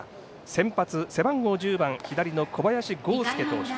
先発、背番号１０番左の小林剛介投手。